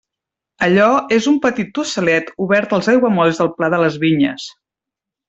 Allò és un petit tossalet obert als aiguamolls del pla de les Vinyes.